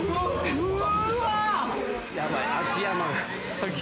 うわ！